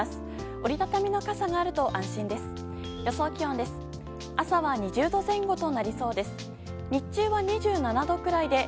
折り畳みの傘があると安心です。